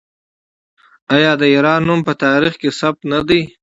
آیا د ایران نوم په تاریخ کې ثبت نه دی؟